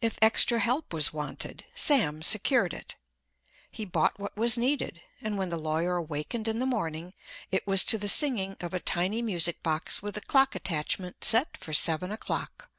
If extra help was wanted, Sam secured it; he bought what was needed; and when the lawyer awakened in the morning, it was to the singing of a tiny music box with a clock attachment set for seven o'clock.